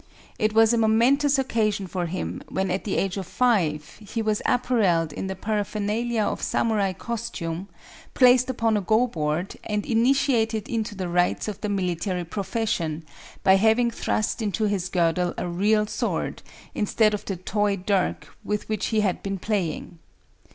It was a momentous occasion for him when at the age of five he was apparelled in the paraphernalia of samurai costume, placed upon a go board and initiated into the rights of the military profession by having thrust into his girdle a real sword, instead of the toy dirk with which he had been playing.